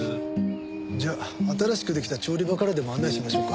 じゃあ新しくできた調理場からでも案内しましょうか。